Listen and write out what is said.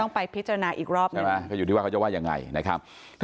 ไปพิจารณาอีกรอบหนึ่งใช่ไหมก็อยู่ที่ว่าเขาจะว่ายังไงนะครับ